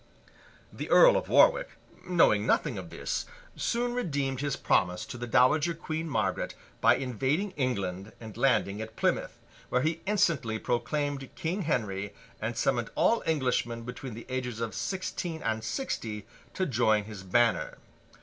The Earl of Warwick, knowing nothing of this, soon redeemed his promise to the Dowager Queen Margaret, by invading England and landing at Plymouth, where he instantly proclaimed King Henry, and summoned all Englishmen between the ages of sixteen and sixty, to join his banner.